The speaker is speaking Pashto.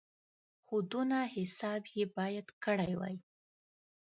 خو دونه حساب یې باید کړی وای.